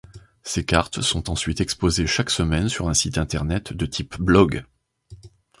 Ces cartes sont ensuite exposées chaque semaine sur un site internet de type blog.